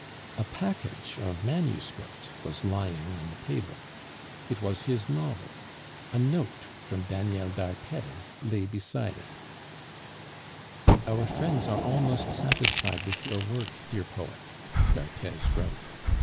A package of manuscript was lying on the table. It was his novel; a note from Daniel d'Arthez lay beside it: "Our friends are almost satisfied with your work, dear poet," d'Arthez wrote.